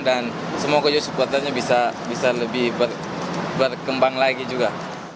dan semoga juga supporternya bisa lebih berkembang lagi juga